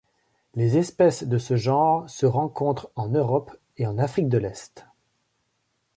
Les espèces de ce genre se rencontrent en Europe et en Afrique de l'Est.